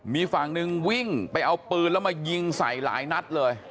มีฝั่งหนึ่งวิ่งไปเอาปืนแล้วมายิงใส่หลายนัดเลย